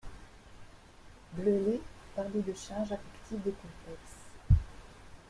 Bleuler parlait de charge affective des complexes.